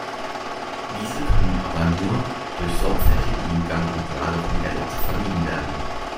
Diese können aber nur durch sorgfältigen Umgang und Lagerung der Latte vermieden werden.